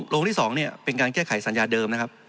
โรงที่๒เป็นการแก้ไขสัญญาเดิมนะครับ